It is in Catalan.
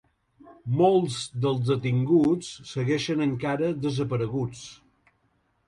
Molts dels detinguts segueixen encara desapareguts.